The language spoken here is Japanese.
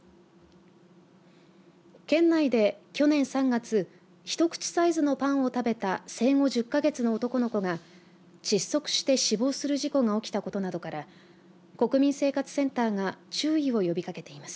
県内で去年３月一口サイズのパンを食べた生後１０か月の男の子が窒息して死亡する事故が起きたことなどから国民生活センターが注意を呼びかけています。